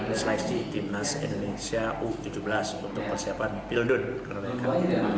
ini seleksi timnas indonesia u tujuh belas untuk persiapan piludun